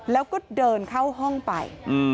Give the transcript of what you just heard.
แล้วก็เดินเข้าห้องไป